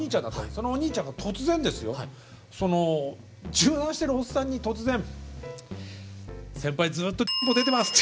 そのおにいちゃんが突然ですよその柔軟してるおっさんに突然「先輩ずっとぽ出てます」って。